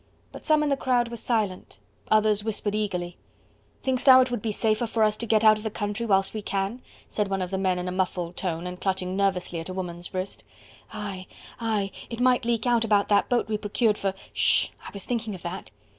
But some in the crowd were silent, others whispered eagerly. "Thinkest thou it would be safer for us to get out of the country whilst we can?" said one of the men in a muffled tone, and clutching nervously at a woman's wrist. "Aye! aye! it might leak out about that boat we procured for..." "Sh!... I was thinking of that..."